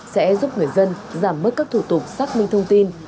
sẽ giúp người dân giảm bớt các thủ tục xác minh thông tin